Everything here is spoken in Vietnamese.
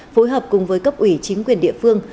phối hợp cùng với cấp ủy chính quyền địa phương